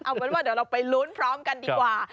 เอาเป็นว่าเดี๋ยวเราไปลุ้นพร้อมกันดีกว่า